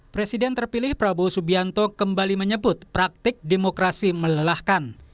presiden terpilih prabowo subianto kembali menyebut praktik demokrasi melelahkan